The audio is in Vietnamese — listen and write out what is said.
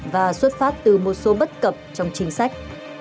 và xuất phát từ một số bất cập trong chính sách